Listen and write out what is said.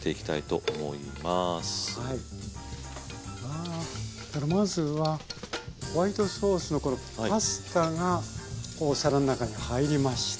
あまずはホワイトソースのこのパスタがお皿の中に入りました。